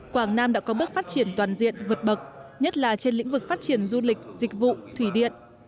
quảng nam đã có bước phát triển toàn diện vượt bậc nhất là trên lĩnh vực phát triển du lịch dịch vụ thủy điện